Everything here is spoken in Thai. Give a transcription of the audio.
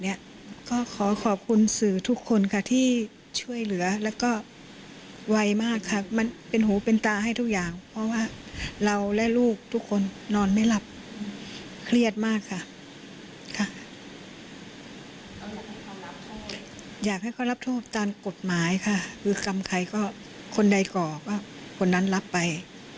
อยากให้เขารับโทษตามกฎหมายค่ะคือกรรมใครก็คนใดก่อก็คนนั้นรับไป